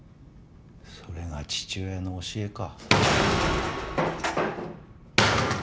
それが父親の教えか？